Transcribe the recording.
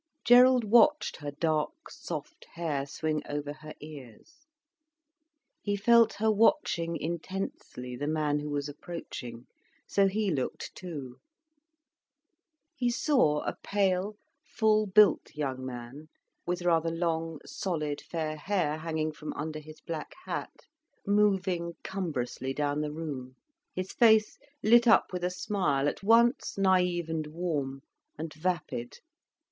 Gerald watched her dark, soft hair swing over her ears. He felt her watching intensely the man who was approaching, so he looked too. He saw a pale, full built young man with rather long, solid fair hair hanging from under his black hat, moving cumbrously down the room, his face lit up with a smile at once naive and warm, and vapid.